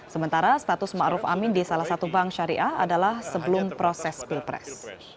sementara status ma'ruf amin di salah satu bank syariah adalah sebelum proses pilpres